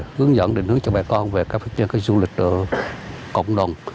hướng dẫn định hướng cho bà con về các phát triển du lịch của cộng đồng